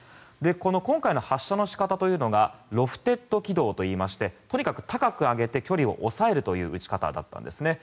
この今回の発射の仕方というのがロフテッド軌道といいましてとにかく高く上げて距離を抑えるという打ち方だったんです。